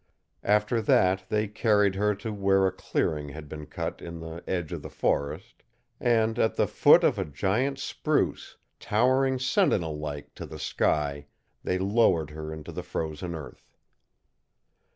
After that they carried her to where a clearing had been cut in the edge of the forest; and at the foot of a giant spruce, towering sentinel like to the sky, they lowered her into the frozen earth.